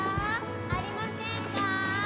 ありませんか？